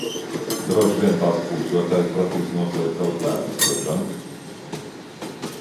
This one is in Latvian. Droši vien tāds pūšļotājs pratīs noslēpt savas pēdas, seržant!